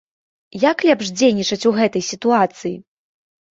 Як лепш дзейнічаць у гэтай сітуацыі?